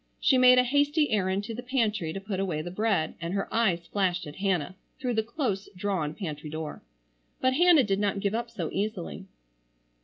She made a hasty errand to the pantry to put away the bread, and her eyes flashed at Hannah through the close drawn pantry door. But Hannah did not give up so easily.